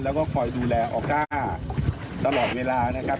แล้วก็คอยดูแลออก้าตลอดเวลานะครับ